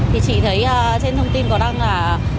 thì chị thấy trên thông tin có đăng là